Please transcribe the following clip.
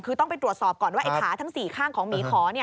คือต้องไปตรวจสอบก่อนว่าไอ้ขาทั้ง๔ข้างของหมีขอ